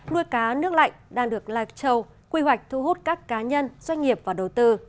nuôi cá nước lạnh đang được lifechâu quy hoạch thu hút các cá nhân doanh nghiệp và đầu tư